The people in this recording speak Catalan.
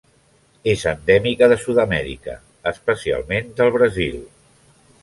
És endèmica de Sud-amèrica, especialment del Brasil.